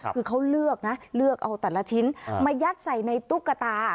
คือเขาเลือกนะเลือกเอาแต่ละชิ้นมายัดใส่ในตุ๊กตา